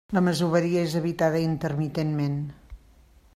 La masoveria és habitada intermitentment.